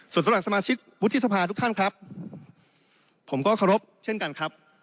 ส่วนสำหรับสมาชิกวุฒิสภาทุกท่านครับผมก็เคารพเช่นกันครับ